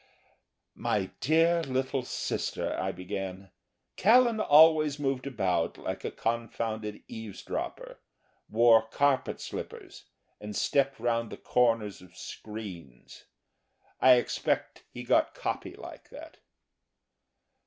"My dear sister," I began.... Callan always moved about like a confounded eavesdropper, wore carpet slippers, and stepped round the corners of screens. I expect he got copy like that.